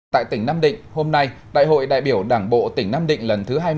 tại tỉnh nam định hôm nay đại hội đại biểu đảng bộ tỉnh nam định lần thứ hai mươi